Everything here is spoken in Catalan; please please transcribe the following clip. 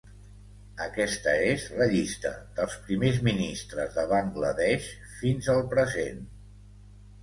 Aquesta és la llista dels primers ministres de Bangla Desh fins al present.